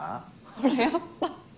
ほらやっぱ。